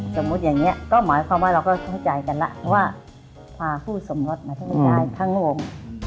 สมมุติอย่างนี้ก็หมายความว่าเราก็เข้าใจกันแล้วว่าพาคู่สมรสมาที่นี่ได้ทั้งโลก